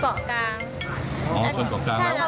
รถเข้ามาเลี้ยวมาค่ะหนูตกใจหนูก็เลยชนชนเกาะกลาง